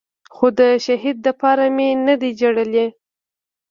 خو د شهيد دپاره مې نه دي جړلي.